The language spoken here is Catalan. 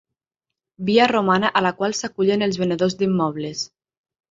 Via romana a la qual s'acullen els venedors d'immobles.